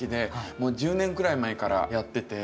もう１０年くらい前からやってて。